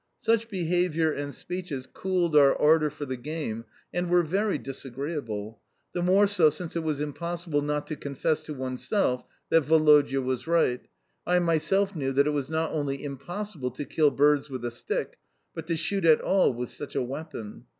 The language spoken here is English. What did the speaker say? Such behaviour and speeches cooled our ardour for the game and were very disagreeable the more so since it was impossible not to confess to oneself that Woloda was right, I myself knew that it was not only impossible to kill birds with a stick, but to shoot at all with such a weapon.